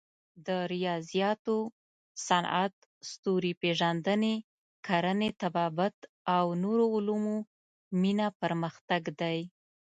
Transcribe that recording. د ریاضیاتو، صنعت، ستوري پېژندنې، کرنې، طبابت او نورو علومو مینه پرمختګ دی.